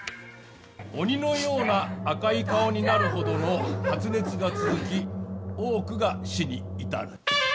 鬼のような赤い顔になるほどの発熱が続き、多くが死に至る。